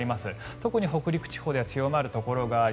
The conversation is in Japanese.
特に北陸地方では強まるところがあり